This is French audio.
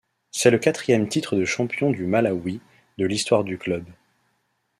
C'est le quatrième titre de champion du Malawi de l'histoire du club.